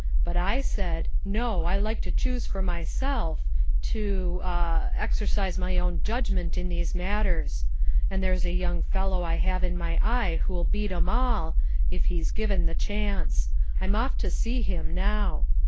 But I said, 'No, I like to choose for myself; to ah exercise my own judgment in these matters. And there's a young fellow I have in my eye who'll beat 'em all, if he's given the chance. I'm off to see him now.'